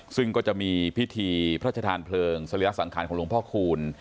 ซึ่งก็จะมีพิธีพระชธานเพลิงสริยสังขารของหลวงพ่อคูณ